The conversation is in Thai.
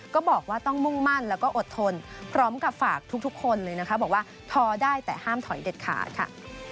ก็บอกว่าต้องมุ่งมั่นแล้วก็อดทนพร้อมกับฝากทุกคนเลยนะคะบอกว่าทอได้แต่ห้ามถอยเด็ดขาดค่ะ